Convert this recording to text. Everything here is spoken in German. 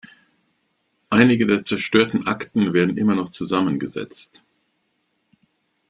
Einige der zerstörten Akten werden immer noch zusammengesetzt.